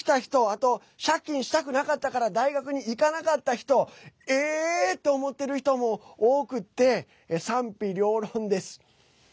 あと、借金したくなかったから大学に行かなかった人えー！と思ってる人も多くて賛否両論です。